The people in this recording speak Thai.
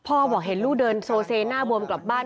บอกเห็นลูกเดินโซเซหน้าบวมกลับบ้าน